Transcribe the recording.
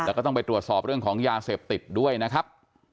แล้วก็ต้องไปตรวจสอบเรื่องของยาเสพติดด้วยนะครับ